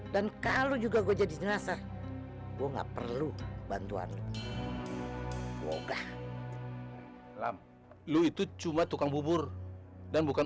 dan kalau juga gue jadi jenazah gua nggak perlu bantuan lu moga lam lu itu cuma tukang bubur dan